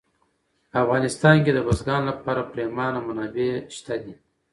په افغانستان کې د بزګانو لپاره پریمانه منابع شته دي.